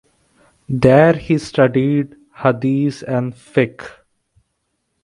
There he studied Hadith and Fiqh.